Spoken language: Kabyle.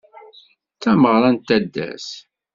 D tameɣra n taddart.